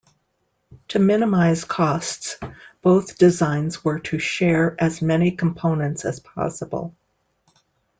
To minimise costs, both designs were to share as many components as possible.